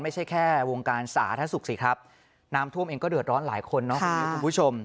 ไม่ใช่แค่วงการสาธารณสุขสิครับน้ำท่วมเองก็เดือดร้อนหลายคนเนาะคุณมิ้วคุณผู้ชม